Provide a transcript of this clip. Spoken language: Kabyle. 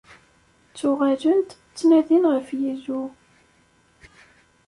Ttuɣalen-d, ttnadin ɣef Yillu.